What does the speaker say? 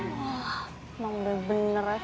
tapi ini tuh giliran erotik itu